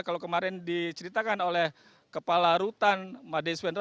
kalau kemarin diceritakan oleh kepala rutan madi swendra